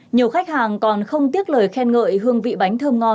nhiều khách hàng còn không tiếc lời khen ngợi hương vị bánh thơm ngon